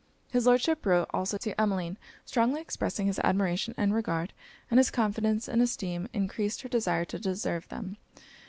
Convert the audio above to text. His Lordship wrote also to Emmeline, strongly expressing his admiration and regard, and his confidence and esteem encreased her desire to deserve them.